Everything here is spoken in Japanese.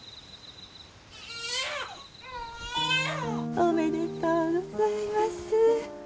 おめでとうございます。